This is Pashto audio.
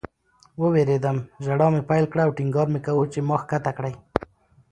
ووېرېدم. ژړا مې پیل کړه او ټینګار مې کاوه چې ما ښکته کړئ